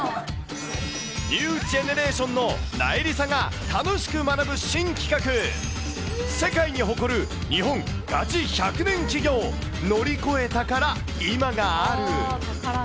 ニュージェネレーションのなえりさが楽しく学ぶ新企画、世界に誇る日本ガチ１００年企業・乗り越え宝今がある。